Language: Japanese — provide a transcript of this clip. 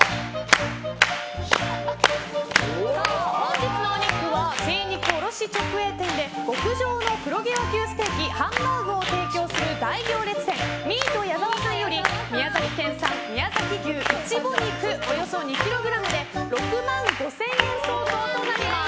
本日のお肉は精肉卸直営店で極上の黒毛和牛ステーキハンバーグを提供する大行列店ミート矢澤さんより宮崎県産宮崎牛イチボ肉およそ２ｋｇで６万５０００円相当となります。